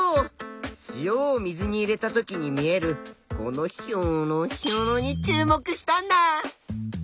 塩を水に入れたときに見えるこのひょろひょろに注目したんだ。